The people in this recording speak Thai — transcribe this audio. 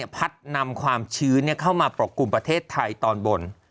พัดนำความชื้นเข้ามาปกกลุ่มประเทศไทยตอนบน